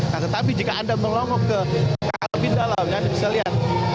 nah tetapi jika anda melonggok ke kabin dalam misalnya